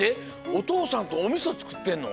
おとうさんとおみそつくってんの？